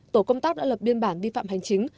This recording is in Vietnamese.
tổ công tác đã lập biên bản vi phạm hành chính